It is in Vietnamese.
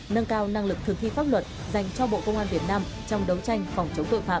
nâng cao năng lực thực thi pháp luật dành cho bộ công an việt nam trong đấu tranh phòng chống tội phạm